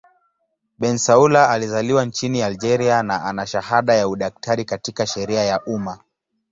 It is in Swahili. Bensaoula alizaliwa nchini Algeria na ana shahada ya udaktari katika sheria ya umma.